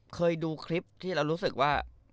เคยดูคลิปที่เรารู้สึกว่า